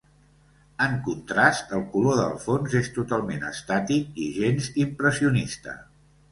En contrast, el color del fons és totalment estàtic i gens impressionista.